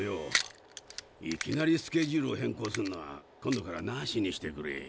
いきなりスケジュールを変更するのは今度からナシにしてくれ。